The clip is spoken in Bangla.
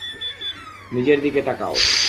নিজের দিকে তাকাও!